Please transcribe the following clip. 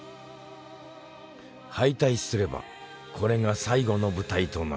敗退すればこれが最後の舞台となる。